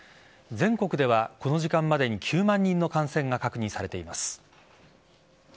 全国ではこの時間までに９万人の感染が確認されています。